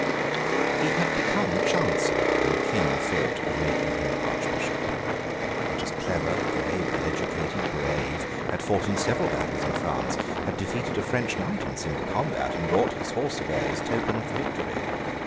He had become Chancellor, when the King thought of making him Archbishop. He was clever, gay, well educated, brave; had fought in several battles in France; had defeated a French knight in single combat, and brought his horse away as a token of the victory.